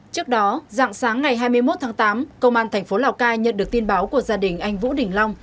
trước đó dạng sáng ngày hai mươi một tháng tám công an thành phố lào cai nhận được tin báo của gia đình anh vũ đình long